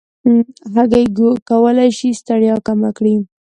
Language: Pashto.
هګۍ کولی شي ستړیا کمه کړي.